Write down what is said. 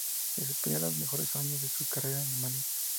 Desempeñó los mejores años de su carrera en Alemania.